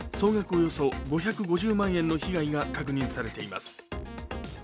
およそ５５０万円の被害が確認されています。